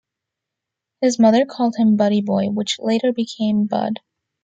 His mother called him "Buddy Boy", which later became "Bud".